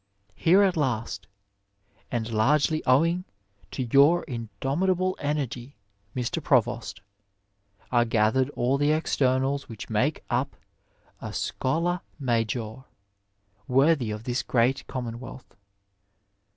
Here at last, and largely owing to your indomitable energy, Mr. Provost, are gathered aU the extemals which make up a Schola major worthy of this great Commonwealth.